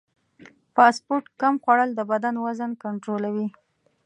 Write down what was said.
فاسټ فوډ کم خوړل د بدن وزن کنټرولوي.